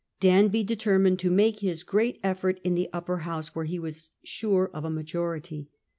Danby determined to make his great effort in the Upper House, where he was sure of a majority.